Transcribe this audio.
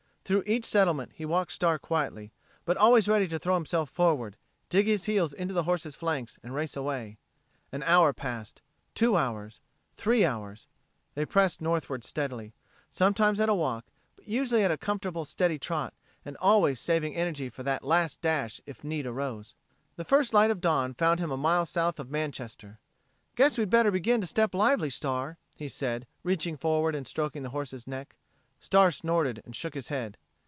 Through each settlement he walked Star quietly, but always ready to throw himself forward, dig his heels into the horse's flanks and race away. An hour passed ... two hours ... three hours. They pressed northward steadily, sometimes at a walk but usually at a comfortable, steady trot, and always saving energy for that last dash if the need arose. The first light of dawn found him a mile south of Manchester. "Guess we'd better begin to step lively, Star," he said, reaching forward and stroking the horse's neck. Star snorted and shook his head.